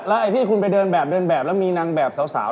ละไอ่ที่คุณไปเดินแบบและมีนางแบบสาว